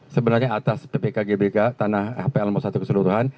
sebenarnya atas bpkgbk tanah hpl no satu keseluruhan